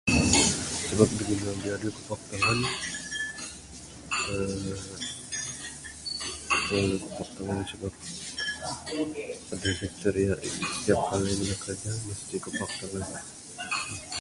Sebab kita biadu kupok tangan aaa Kita kupok tangan sebab adeh bacteria ain. Tiap kali ngundah kiraja mesti kupok tangan